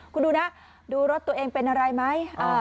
คุณดูนะดูรถตัวเองเป็นอะไรไหม